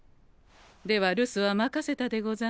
では留守は任せたでござんすよ。